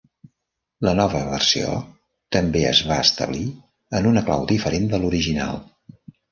La nova versió també es va establir en una clau diferent de l'original.